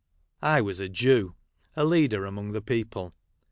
I was a Jew, — a leader among the people.